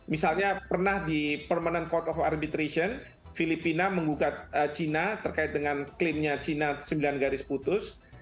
misalnya pernah di permanent court of arbitration filipina menggugat cina terkait dengan klaimnya china sembilan garis putus